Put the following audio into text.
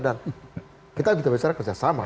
dan kita harus bekerjasama